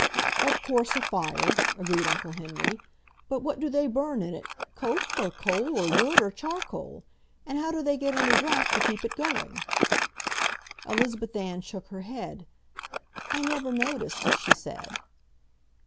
"Of course a fire," agreed Uncle Henry. "But what do they burn in it, coke or coal or wood or charcoal? And how do they get any draft to keep it going?" Elizabeth Ann shook her head. "I never noticed," she said.